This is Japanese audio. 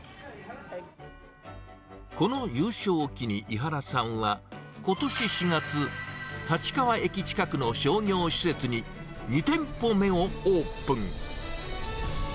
この優勝を機に、井原さんは、ことし４月、立川駅近くの商業施設に、２店舗目をオープン。